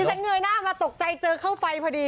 ฉันเงยหน้ามาตกใจเจอเข้าไฟพอดี